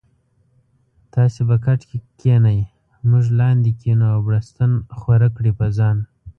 تاسي به کټکی کینې مونږ لاندې کینو او بړستن ښوره کړي په ځان